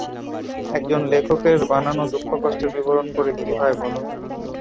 একজন লেখকের বানানো দুঃখ-কষ্টের বিবরণ পড়ে কী হয় বল?